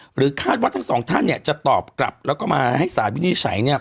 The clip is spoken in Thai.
หรือคาดว่าทั้งสองท่านเนี่ยจะตอบกลับแล้วก็มาให้สารวินิจฉัยเนี่ย